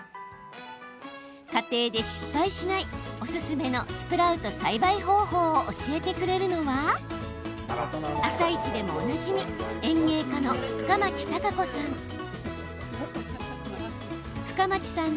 家庭で失敗しないおすすめのスプラウト栽培方法を教えてくれるのは「あさイチ」でもおなじみ園芸家の深町貴子さん。